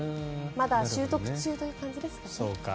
まだ習得中という感じですかね。